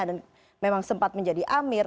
dan memang sempat menjadi amir